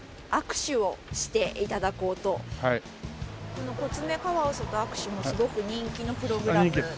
このコツメカワウソとあくしゅもすごく人気のプログラムなんです。